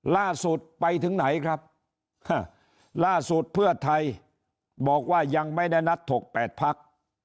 ล่าสุดไปถึงไหนครับล่าสุดเพื่อไทยบอกว่ายังไม่ได้นัดถก๘พัก